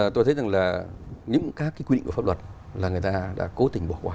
tôi thấy rằng là những các quy định của pháp luật là người ta đã cố tình bỏ qua